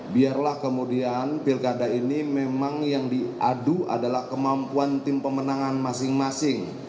biarlah kemudian pilkada ini memang yang diadu adalah kemampuan tim pemenangan masing masing